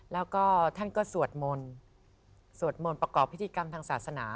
แล้วก็ท่านก็สวดมนต์สวดมนต์ประกอบพิธีกรรมทางศาสนา